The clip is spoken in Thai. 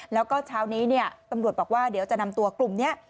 แล้วก็เช้านี้เนี่ยตำรวจบอกว่าเดี๋ยวจะนำตัวกลุ่มนี้